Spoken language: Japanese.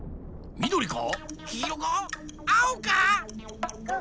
みどりか？